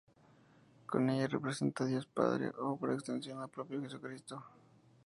Con ella se representa a Dios Padre o, por extensión, al propio Jesucristo.